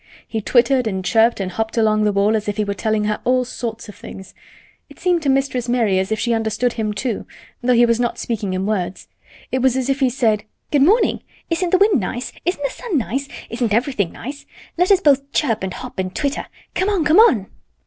He twittered and chirped and hopped along the wall as if he were telling her all sorts of things. It seemed to Mistress Mary as if she understood him, too, though he was not speaking in words. It was as if he said: "Good morning! Isn't the wind nice? Isn't the sun nice? Isn't everything nice? Let us both chirp and hop and twitter. Come on! Come on!"